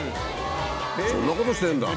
そんなことしてんだ。